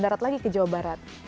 darat lagi ke jawa barat